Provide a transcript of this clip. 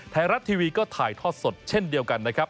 ไทยรัฐทีวีก็ถ่ายทอดสดเช่นเดียวกันนะครับ